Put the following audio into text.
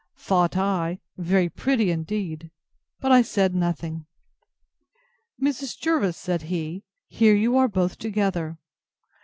thought I: Very pretty indeed!—But I said nothing. Mrs. Jervis, said he, here you are both together.